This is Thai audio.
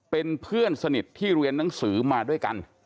เป็นเพื่อนสนิทที่เรียนหนังสือมาด้วยกัน